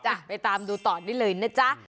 จ้ะไปตามดูต่อนี้เลยนะจ๊ะ